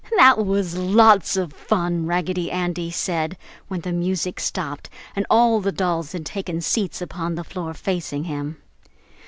"That was lots of fun!" Raggedy Andy said, when the music stopped and all the dolls had taken seats upon the floor facing him.